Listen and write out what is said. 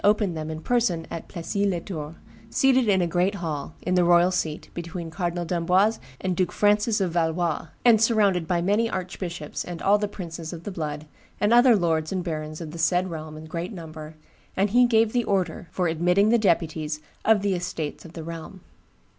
opened them in person at Plessis les Tours, seated in a great hall, in the royal seat, between Cardinal d'Amboise and Duke Francis of Valois, and surrounded by many archbishops and all the princes of the blood and other lords and barons of the said realm in great number, and he gave the order for admitting the deputies of the estates of the realm.